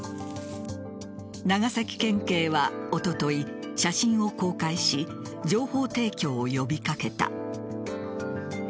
長崎県警はおととい写真を公開し情報提供を呼び掛けた。